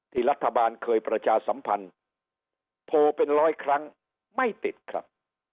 รัฐบาลเคยประชาสัมพันธ์โทรเป็นร้อยครั้งไม่ติดครับ